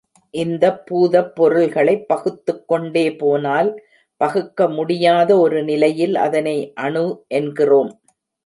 இந்தப் பூதப் பொருள்களைப் பகுத்துக் கொண்டே போனால் பகுக்க முடியாத ஒரு நிலையில் அதனை அணு என்கிறோம்.